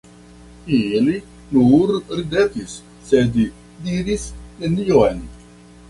Ili nur ridetis, sed diris nenion.